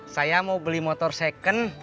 saya mau beli motor second